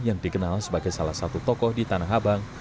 yang dikenal sebagai salah satu tokoh di tanah abang